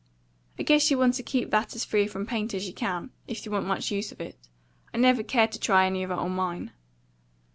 "I guess you want to keep that as free from paint as you can, if you want much use of it. I never cared to try any of it on mine."